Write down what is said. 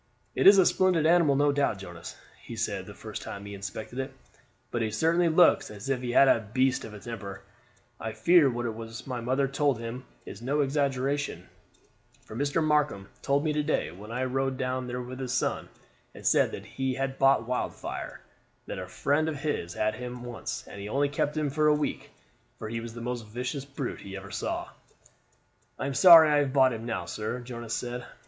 "It is a splendid animal, no doubt, Jonas," he said the first time he inspected it; "but he certainly looks as if he had a beast of a temper. I fear what was told my mother about him is no exaggeration; for Mr. Markham told me to day, when I rode down there with his son, and said that we had bought Wildfire, that a friend of his had had him once, and only kept him for a week, for he was the most vicious brute he ever saw." "I am sorry I have bought him now, sir," Jonas said.